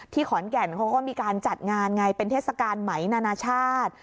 ขอนแก่นเขาก็มีการจัดงานไงเป็นเทศกาลไหมนานาชาติ